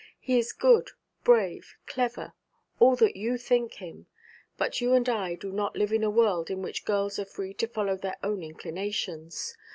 He is good, brave, clever, all that you think him. But you and I do not live in a world in which girls are free to follow their own inclinations.